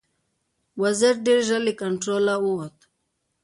وضعیت ډېر ژر له کنټروله ووت.